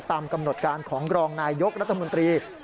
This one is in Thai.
ตามกำหนดการของรองนายยกรัฐมนตรี